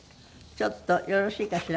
ちょっとよろしいかしら。